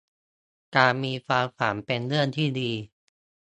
การมีความฝันเป็นเรื่องที่ดี